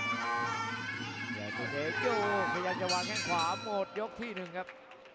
อยากจะเฮ้ยโก้อยากจะวางแข้งขวาโหมดยกที่๑ครับ